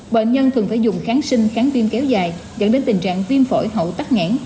bệnh nhân thường phải dùng kháng sinh kháng viêm kéo dài dẫn đến tình trạng viêm phổi hậu tắt ngãn